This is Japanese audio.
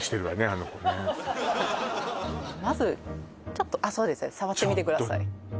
あの子ねまずちょっとそうですね触ってみてください